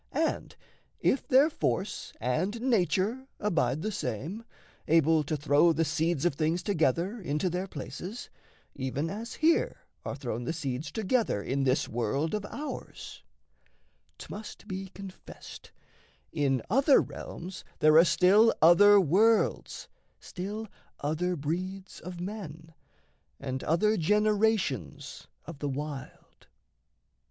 And if their force and nature abide the same, Able to throw the seeds of things together Into their places, even as here are thrown The seeds together in this world of ours, 'Tmust be confessed in other realms there are Still other worlds, still other breeds of men, And other generations of the wild.